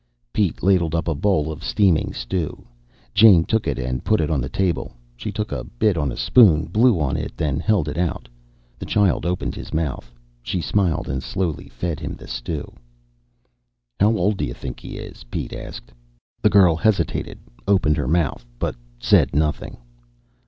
Pete ladled up a bowl of steaming stew. Jane took it and put it on the table. She took a bit on a spoon, blew on it, then held it out. The child opened his mouth. She smiled and slowly fed him the stew. "How old do you think he is?" Pete asked. The girl hesitated, opened her mouth, but said nothing.